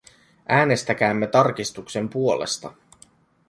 Äänestäkäämme tarkistuksen puolesta.